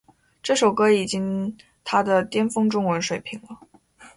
这首歌已经她的巅峰中文水平了